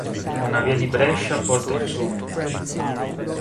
Una via di Brescia porta in suo nome.